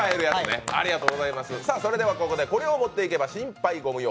それではここでこれを持っていけば心配ご無用！